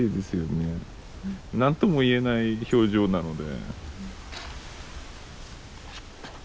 何とも言えない表情なので。